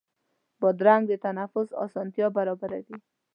بادرنګ د تنفس اسانتیا برابروي.